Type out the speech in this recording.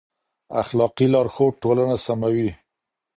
اخلاقي لارښود ټولنه سموي.